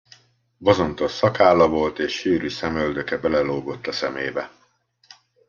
Bozontos szakálla volt, és sűrű szemöldöke belelógott a szemébe.